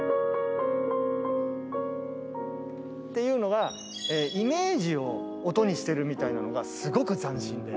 ていうのがイメージを音にしてるみたいなのがすごく斬新で。